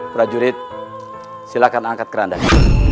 prajurit silakan angkat kerandang